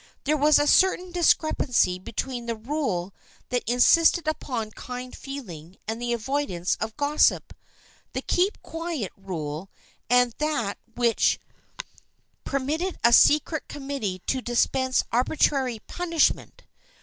There was a certain discrepancy between the rule that in sisted upon kind feeling and the avoidance of gos sip, the " keep quiet " rule, and that which per 276 THE FRIENDSHIP OF ANNE mitted a secret committee to dispense arbitrary punishment.